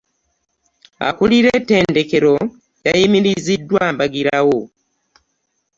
Akulira ettendekero yayimiriziddwa mbagirawo.